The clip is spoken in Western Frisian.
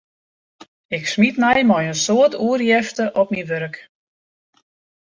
Ik smiet my mei in soad oerjefte op myn wurk.